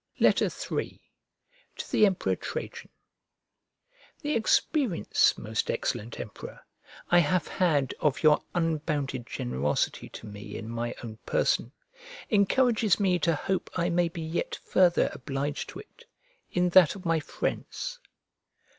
III To THE EMPEROR TRAJAN THE experience, most excellent Emperor, I have had of your unbounded generosity to me, in my own person, encourages me to hope I may be yet farther obliged to it, in that of my friends.